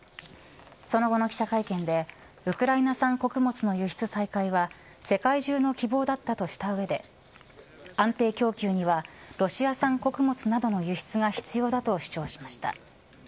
その後の記者会見でウクライナ産穀物の輸出再開は世界中の希望だったとした上で安定供給にはロシア産穀物などの輸出が必要だと主張しました。